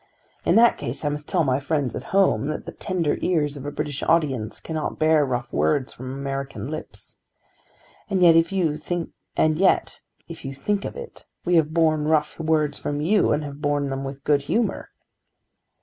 In that case I must tell my friends at home that the tender ears of a British audience cannot bear rough words from American lips. And yet if you think of it we have borne rough words from you and have borne them with good humour."